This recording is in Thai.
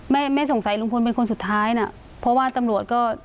แม่ไม่สงสัยลุงพลเป็นคนสุดท้ายน่ะเพราะว่าตำรวจก็